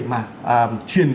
mà truyền ký